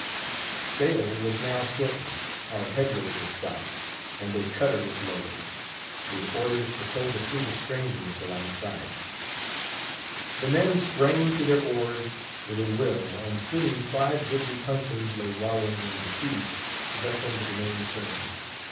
Sail was now shortened, our headway was stopped, and a cutter was lowered, with orders to tow the fleet of strangers alongside. The men sprang to their oars with a will, and soon five goodly puncheons lay wallowing in the sea, just under the main chains.